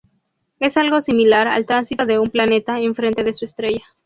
Es algo similar al tránsito de un planeta en frente de su estrella.